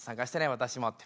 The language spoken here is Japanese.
私もって。